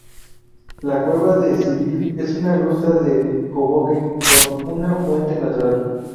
La Cueva de Sybil es una gruta de Hoboken con una fuente natural.